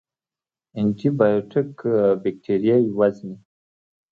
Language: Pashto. انټي بیوټیک بکتریاوې وژني